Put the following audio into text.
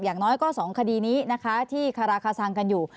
อย่างน้อยก็๒คดีนี้นะคะที่คาราคาซังกันอยู่